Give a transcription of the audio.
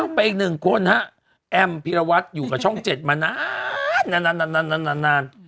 อ้าวไปอีกหนึ่งคนฮะแอมพิรวัตรอยู่กับช่องเจ็ดมานานนานนานนานนานนานนาน